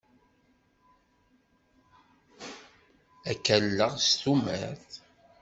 Ad k-alleɣ s tumert.